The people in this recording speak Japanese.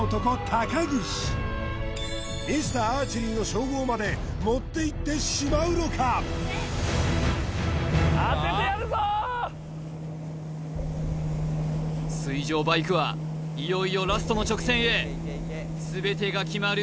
高岸ミスターアーチェリーの称号まで持っていってしまうのか水上バイクはいよいよラストの直線へ全てが決まる